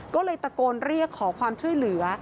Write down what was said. ก็เลยตะโกนเรียกขอความช่วยเหลือ